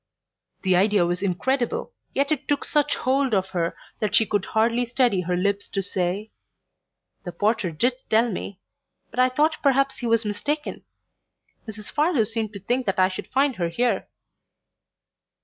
The idea was incredible, yet it took such hold of her that she could hardly steady her lips to say: "The porter did tell me, but I thought perhaps he was mistaken. Mrs. Farlow seemed to think that I should find her here."